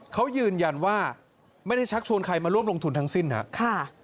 เขายืนยันว่าไม่ได้ชักชวนใครมาร่วมลงทุนทั้งสิ้นครับ